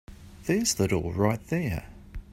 There's the door right there.